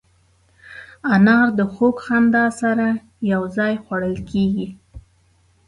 انار د خوږ خندا سره یو ځای خوړل کېږي.